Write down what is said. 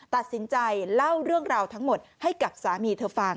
ตัดสินใจเล่าเรื่องราวทั้งหมดให้กับสามีเธอฟัง